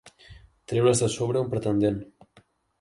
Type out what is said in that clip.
Treure's de sobre un pretendent.